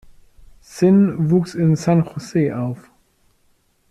Sinn wuchs in San Jose auf.